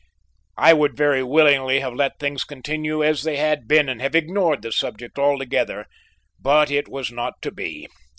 I would very willingly have let things continue as they had been and have ignored the subject altogether, but it was not to be.